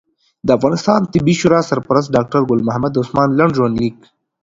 د افغانستان طبي شورا سرپرست ډاکټر ګل محمد عثمان لنډ ژوند لیک